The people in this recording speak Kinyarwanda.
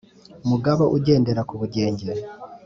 Mugabo ugendera ku bugenge